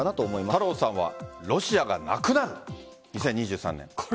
太郎さんはロシアがなくなる２０２３年。